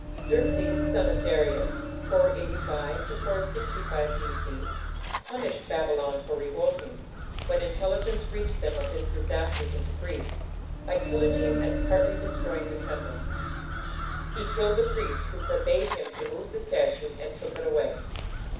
Xerxes, son of Darius (485 465 B.C.), punished Babylon for revolting, when intelligence reached them of his disasters in Greece, by pillaging and partly destroying the temple. "He killed the priest who forbade him to move the statue, and took it away."